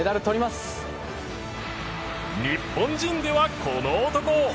日本人ではこの男